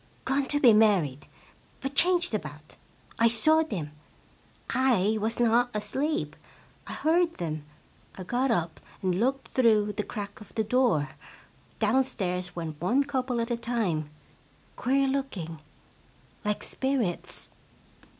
Gone to be married, but changed about ! I saw them. I was not asleep ! I heard them ; I got up and looked through the crack of the door. Downstairs went one couple at a time. Queer looking like spirits!